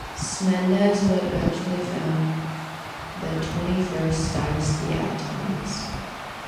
Smendes would eventually found the Twenty-first Dynasty at Tanis.